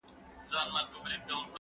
کالي د مور له خوا وچول کيږي!؟